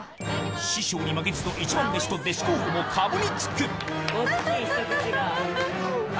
師匠に負けじと一番弟子と弟子候補もかぶりつくハハハ。